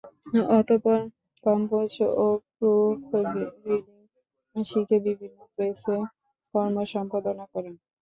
অতপর কম্পোজ ও proof reading শিখে বিভিন্ন প্রেসে কর্ম সম্পাদনা করেন।